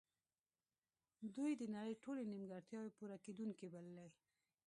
دوی د نړۍ ټولې نیمګړتیاوې پوره کیدونکې بللې